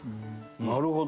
なるほど！